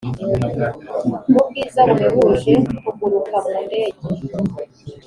mu bwiza buhebuje, kuguruka mu ndege,